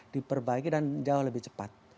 diperbaiki dan jauh lebih cepat